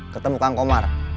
ketemu kang komar